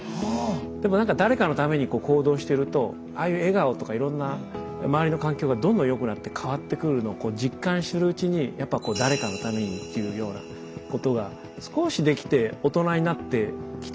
でもなんか誰かのために行動してるとああいう笑顔とかいろんな周りの環境がどんどん良くなって変わってくるのをこう実感するうちにやっぱこう誰かのためにっていうようなことが少しできて大人になってきた時に成績がこう上がり始めて。